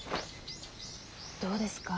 どうですか。